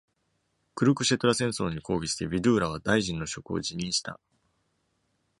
クルクシェトラ戦争に抗議して、ヴィドゥーラは大臣の職を辞任した。